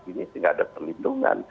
ini tidak ada perlindungan